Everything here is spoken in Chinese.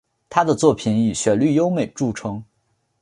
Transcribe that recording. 他的作品以旋律优美着称。